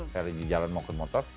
saya lagi jalan mau ke motor